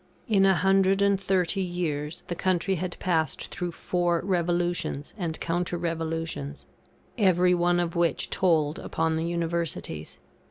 In a hundred and thirty years, the country had passed through four revolutions and counter revolutions; every one of which told upon the Universities.